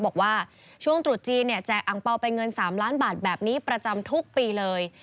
บอกว่าช่วงตรุษจีนเนี่ยแจกอังเปล่าเป็นเงิน๓ล้านบาทแบบนี้ประจำทุกปีเลย